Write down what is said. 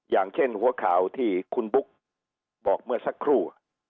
อย่างเช่นหัวข่าวที่คุณบุ๊กบอกเมื่อสักครู่